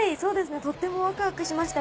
とてもワクワクしました。